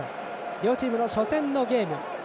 両チームの初戦のゲーム。